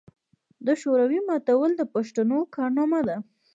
د شوروي ماتول د پښتنو کارنامه ده.